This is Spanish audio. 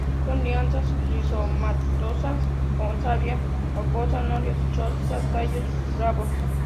Son lianas rizomatosas; con savia acuosa no lechosa; tallos glabros.